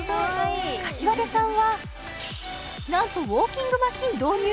膳さんはなんとウォーキングマシン導入！？